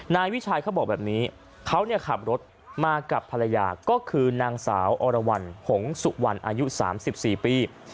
นายวิชัยเขาบอกแบบนี้เขาขับรถมากับภรรยาก็คือนางสาวอรวรรณหงสุวรรณอายุ๓๔ปี